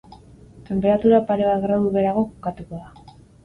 Tenperatura pare bat gradu beherago kokatuko da.